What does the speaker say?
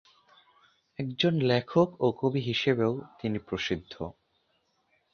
একজন লেখক ও কবি হিসেবেও তিনি প্রসিদ্ধ।